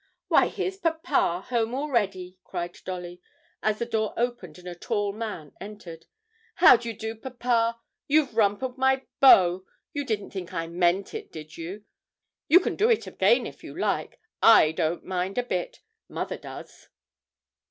'Why, here's papa home already!' cried Dolly, as the door opened and a tall man entered. 'How do you do, papa? you've rumpled my bow you didn't think I meant it, did you? you can do it again if you like I don't mind a bit; mother does.'